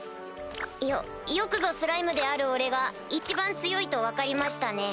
よよくぞスライムである俺が一番強いと分かりましたね。